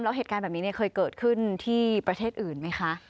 แล้วเหตุการณ์แบบนี้เคยเกิดขึ้นที่ประเทศอื่นไหมคะ